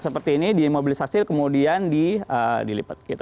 seperti ini di imobilisasi kemudian dilipat gitu ya